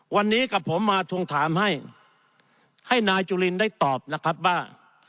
วันนี้กับผมมาทวงถามให้ให้นายจุลินได้ตอบนะครับว่า